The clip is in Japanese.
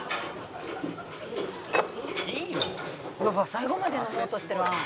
「最後まで飲もうとしてる餡」